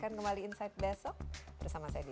dan kembali lagi ke pak arief